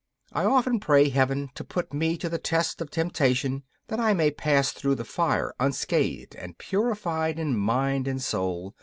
I often pray Heaven to put me to the test of temptation, that I may pass through the fire unscathed and purified in mind and soul.